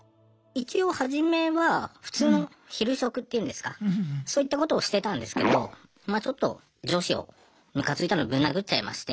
一応はじめは普通の昼職っていうんですかそういったことをしてたんですけどまあちょっと上司をムカついたのでブン殴っちゃいまして。